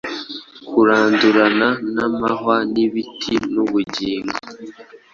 Kurandurana n'amahwa n'ibiti Ubugingo